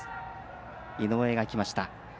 井上がいきました。